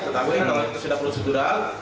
tetapi kalau itu sudah prosedural